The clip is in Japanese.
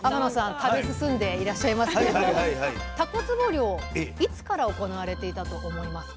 食べ進んでいらっしゃいますけれどもたこつぼ漁いつから行われていたと思いますか？